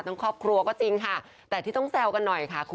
ครอบครัวก็จริงค่ะแต่ที่ต้องแซวกันหน่อยค่ะคุณ